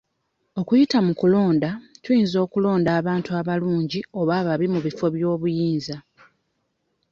"Okuyita mu kulonda, Tuyinza okulonda abantu abalungi oba ababi mu bifo by'obuyinza."